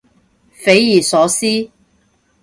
匪夷所思